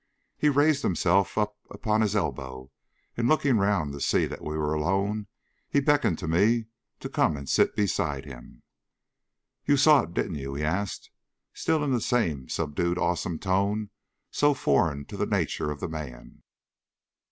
He raised himself up upon his elbow, and looking round to see that we were alone, he beckoned to me to come and sit beside him. "You saw it, didn't you?" he asked, still in the same subdued awesome tone so foreign to the nature of the man.